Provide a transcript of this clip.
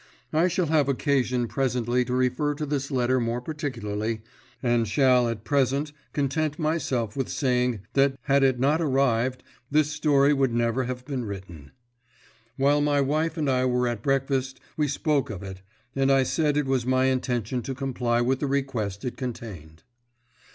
I shall have occasion presently to refer to this letter more particularly, and shall at present content myself with saying that had it not arrived this story would never have been written. While my wife and I were at breakfast we spoke of it, and I said it was my intention to comply with the request it contained.